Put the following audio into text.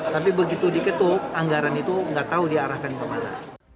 tapi begitu diketuk anggaran itu nggak tahu diarahkan kemana